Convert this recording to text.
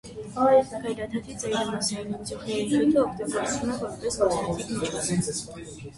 Գայլաթաթի ծայրամասային ընձյուղների հյութը օգտագործվում է որպես կոսմետիկ, միջոց։